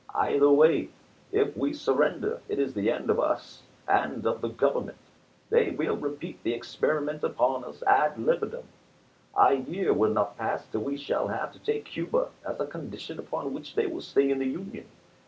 Either way, if we surren der, it is the end of us, and of the Government. They will repeat the experiment upon us ad libitum. A year will not pass till we shall have to take Cuba as a con dition upon which they will stay in the Union.